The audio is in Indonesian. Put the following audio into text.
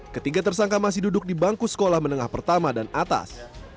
ketiga tersangka masih duduk di bangku sekolah menengah pertama dan atas